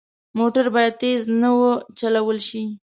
موټر باید تېز نه وچلول شي.